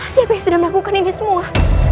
siapa yang sudah melakukan ini semua